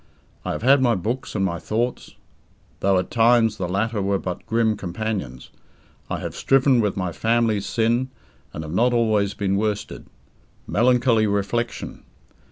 I have had my books and my thoughts though at times the latter were but grim companions. I have striven with my familiar sin, and have not always been worsted. Melancholy reflection.